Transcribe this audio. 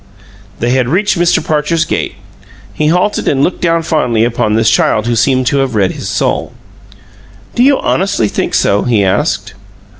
They had reached Mr. Parcher's gate; he halted and looked down fondly upon this child who seemed to have read his soul. "Do you honestly think so?" he asked.